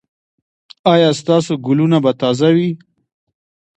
ایا ستاسو ګلونه به تازه وي؟